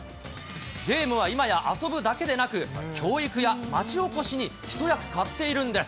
ゲームは今や遊ぶだけでなく、教育や町おこしに一役買っているんです。